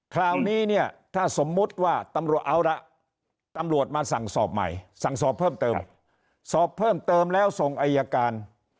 คราวนี้เนี่ยถ้าสมมุติว่าตำรวจเอาละตำรวจมาสั่งสอบใหม่สั่งสอบเพิ่มเติมสอบเพิ่มเติมแล้วส่งอายการ